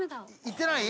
いってない。